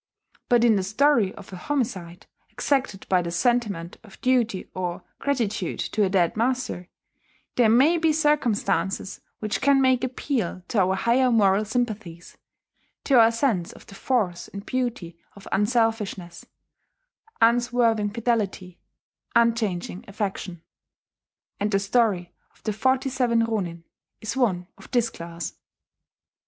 But in the story of a homicide exacted by the sentiment of duty or gratitude to a dead master, there may be circumstances which can make appeal to our higher moral sympathies, to our sense of the force and beauty of unselfishness, unswerving fidelity, unchanging affection. And the story of the Forty Seven Ronin is one of this class....